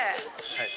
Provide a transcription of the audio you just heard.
はい。